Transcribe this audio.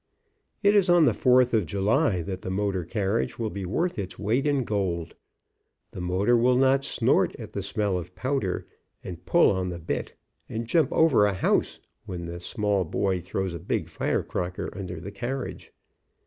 It is on the Fourth of July that the motor carriage will be worth its weight in gold. The motor will not snort at the smell of powder, and pull on the bit, and jump over a house when the small boy throws the big firecracker under the carriage.